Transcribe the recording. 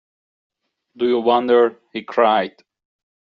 “Do you wonder?” he cried.